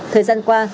thời gian qua